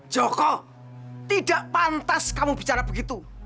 joko tidak pantas kamu bicara begitu